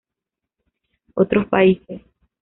Otros países.